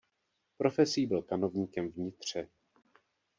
Profesí byl kanovníkem v Nitře.